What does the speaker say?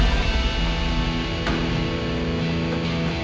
selamat mengalahi kamu